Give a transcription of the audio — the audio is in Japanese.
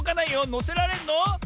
のせられるの？